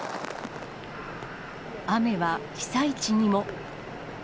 雨は被災地にも。